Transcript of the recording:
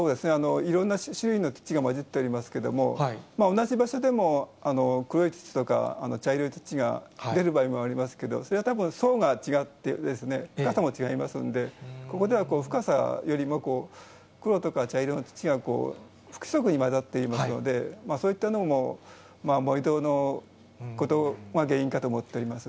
いろんな種類の土が混じっておりますけれども、同じ場所でも黒い土とか、茶色い土が出る場合もありますけど、それはたぶん層が違って、深さも違いますので、ここでは深さよりも、黒とか茶色の土が不規則に混ざっていますので、そういったのも盛り土のことが原因かと思っております。